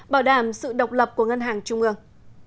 bảo đảm sự độc lập của ngân hàng trung ương